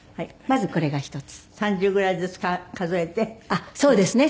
あっそうですね。